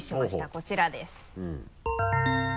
こちらです。